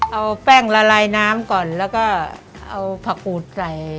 เอาแป้งละลายน้ำก่อนแล้วก็เอาผักอูดใส่